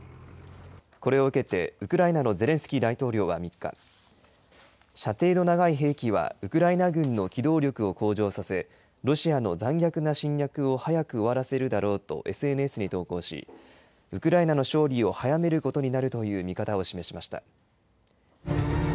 これを受けてウクライナのゼレンスキー大統領は３日、射程の長い兵器はウクライナ軍の機動力を向上させ、ロシアの残虐な侵略を早く終わらせるだろうと、ＳＮＳに投稿し、ウクライナの勝利を早めることになるという見方を示しました。